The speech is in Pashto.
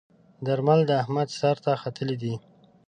درمل د احمد سر ته ختلي ديی.